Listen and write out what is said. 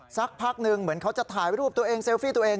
สักพักหนึ่งเหมือนเขาจะถ่ายรูปตัวเองเซลฟี่ตัวเอง